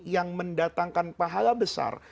yang mendatangkan pahala besar